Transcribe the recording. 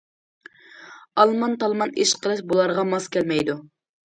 ئالمان- تالمان ئىش قىلىش بۇلارغا ماس كەلمەيدۇ.